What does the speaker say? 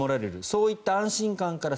そういった安心感から